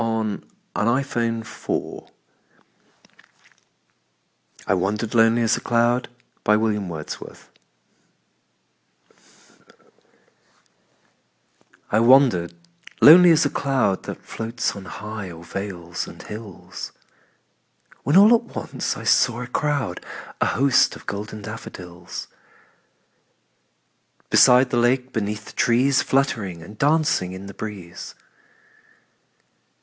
William Wordsworth I Wandered Lonely As a Cloud I WANDERED lonely as a cloud That floats on high o'er vales and hills, When all at once I saw a crowd, A host, of golden daffodils; Beside the lake, beneath the trees, Fluttering and dancing in the breeze.